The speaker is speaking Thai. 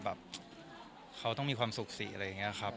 แบบเขาต้องมีความสุขสิอะไรอย่างนี้ครับ